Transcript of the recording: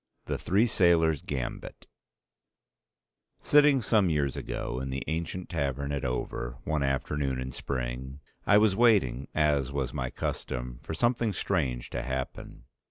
The Three Sailors' Gambit Sitting some years ago in the ancient tavern at Over, one afternoon in Spring, I was waiting, as was my custom, for something strange to happen.